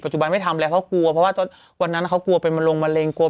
ปัจจุบันไม่ทำแล้วเพราะกลัวเพราะว่าตอนวันนั้นเขากลัวเป็นมลงมะเร็ง